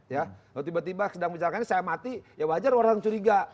kalau tiba tiba sedang bicarakan saya mati ya wajar orang curiga